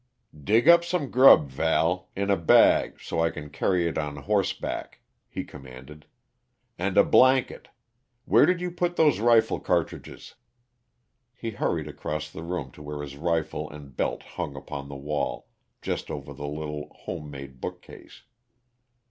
"Dig up some grub, Val in a bag, so I can carry it on horseback," he commanded. "And a blanket where did you put those rifle cartridges?" He hurried across the room to where his rifle and belt hung upon the wall, just over the little, homemade bookcase.